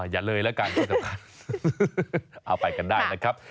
อย่าเลยละกันเอาไปกันได้นะครับ